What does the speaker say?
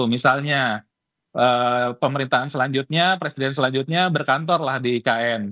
misalnya pemerintahan selanjutnya presiden selanjutnya berkantor lah di ikn